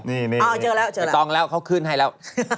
ไม่ต้องแล้วเขาขึ้นให้แล้ว